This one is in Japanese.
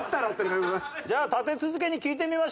じゃあ立て続けに聞いてみましょう。